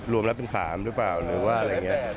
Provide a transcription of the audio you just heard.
รวมแล้วเป็น๓หรือเปล่าหรือว่าอะไรอย่างนี้